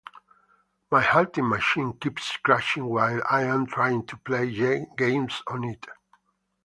My halting machine keeps crashing while I’m trying to play games on it.